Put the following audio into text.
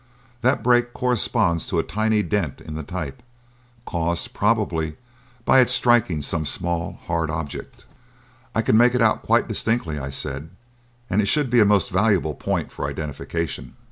That break corresponds to a tiny dent in the type caused, probably, by its striking some small, hard object." "I can make it out quite distinctly," I said, "and it should be a most valuable point for identification."